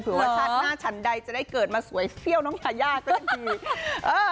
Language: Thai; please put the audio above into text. ว่าชาติหน้าฉันใดจะได้เกิดมาสวยเฟี้ยวน้องยายาก็ได้ดีเออ